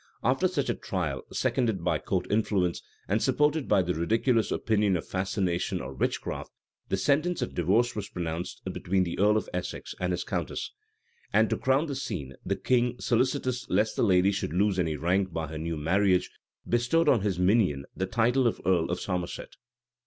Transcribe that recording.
After such a trial, seconded by court influence, and supported by the ridiculous opinion of fascination or witchcraft, the sentence of divorce was pronounced between the earl of Essex and his countess.[*] And, to crown the scene, the king, solicitous lest the lady should lose any rank by her new marriage, bestowed on his minion the title of earl of Somerset.